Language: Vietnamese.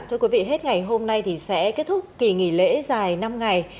thưa quý vị hết ngày hôm nay thì sẽ kết thúc kỳ nghỉ lễ dài năm ngày